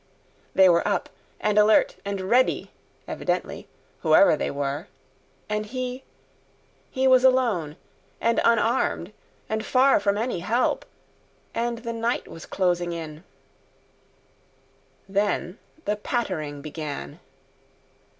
They were up and alert and ready, evidently, whoever they were! And he—he was alone, and unarmed, and far from any help; and the night was closing in. Then the pattering began.